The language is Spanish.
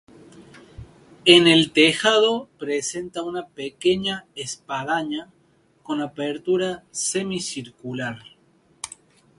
En el tejado presenta una pequeña espadaña con apertura semicircular.